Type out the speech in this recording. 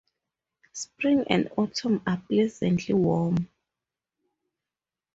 Spring and Autumn are pleasantly warm.